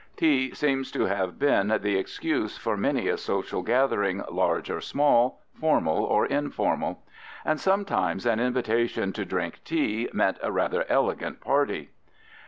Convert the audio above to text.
] Tea seems to have been the excuse for many a social gathering, large or small, formal or informal. And sometimes an invitation to drink tea meant a rather elegant party.